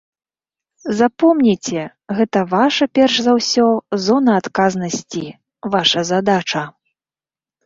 Запомніце, гэта ваша, перш за ўсё, зона адказнасці, ваша задача.